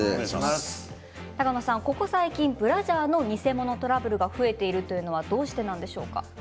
ここ最近ブラジャーの偽物トラブルが増えているというのはどうしてなんでしょうか。